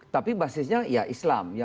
tapi basisnya ya islam